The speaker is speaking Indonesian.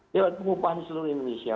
dengan pengumpahan di seluruh indonesia